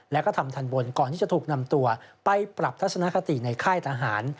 แล้วก็ทำทันบนก่อนที่จะถูกนำตัวไปปรับทัศนคติในค่ายทหาร